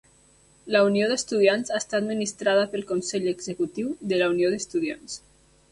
La unió d'estudiants està administrada pel consell executiu de la unió d'estudiants.